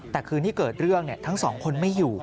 แต่คืนที่เกิดเรื่องทั้งสองคนไม่อยู่